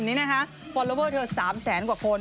นี่นะคะฟอลลอเวอร์เธอ๓แสนกว่าคน